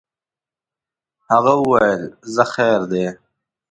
هغه ویل ځه خیر دی.